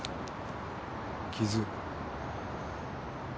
傷。